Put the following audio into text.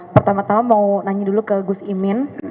pertama tama mau nanya dulu ke gus imin